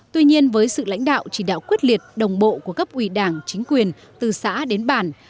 tuy nhiên với sự lãnh đạo chỉ đạo quyết liệt đồng bộ của cấp ủy đảng chính quyền từ xã đến bản